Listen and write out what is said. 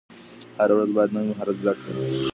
هره ورځ باید نوی مهارت زده کړئ.